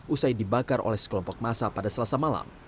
usai dibakar oleh sekelompok masa pada selasa malam